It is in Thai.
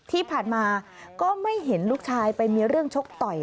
ที่ผ่านมาก็ไม่เห็นลูกชายไปมีเรื่องชกต่อย